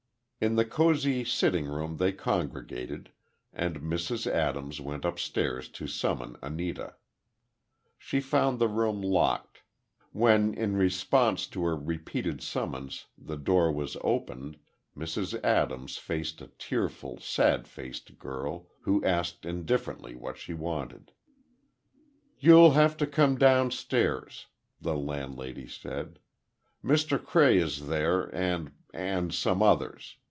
In the cosy sitting room they congregated, and Mrs. Adams went upstairs to summon Anita. She found the room locked. When, in response to a repeated summons, the door was opened, Mrs. Adams faced a tearful, sad faced girl, who asked indifferently what was wanted. "You'll have to come down stairs," the landlady said; "Mr. Cray is there, and—and some others.